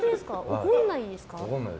怒らないですか？